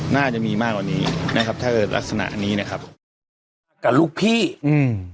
น่าจะมีมากกว่านี้นะครับถ้าเกิดลักษณะนี้นะครับกับลูกพี่อืม